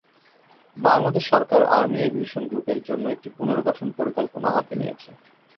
বাংলাদেশ সরকার army aviation গ্রুপের জন্য একটি পুনর্গঠন পরিকল্পনা হাতে নিয়েছে।